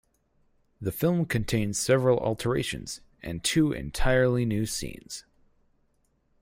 The film contains several alterations, and two entirely new scenes.